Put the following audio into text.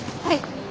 はい。